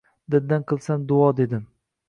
Dildan qilsam duo dedim.